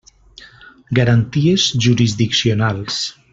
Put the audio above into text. Garanties jurisdiccionals.